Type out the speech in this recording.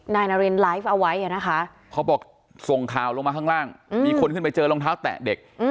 นายนารินไลฟ์เอาไว้นะคะเขาบอกส่งข่าวลงมาข้างล่างมีคนขึ้นไปเจอรองเท้าแตะเด็ก